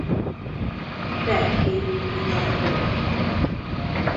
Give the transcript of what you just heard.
Rendkívül kitartó.